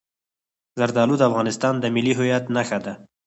زردالو د افغانستان د ملي هویت نښه ده.